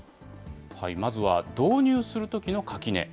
まずは導入するときの垣根。